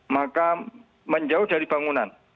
maka menjauh dari bangunan